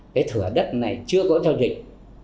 cái thửa đất này chưa có giao dịch